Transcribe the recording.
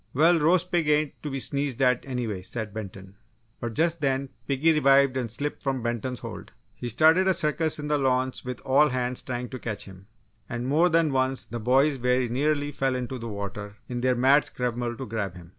"Well, roast pig ain't to be sneezed at, anyway," said Benton. But just then, piggy revived and slipped from Benton's hold. He started a circus in the launch with all hands trying to catch him, and more than once, the boys very nearly fell into the water in their mad scramble to grab him.